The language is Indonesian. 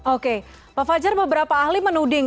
oke pak fajar beberapa ahli menuding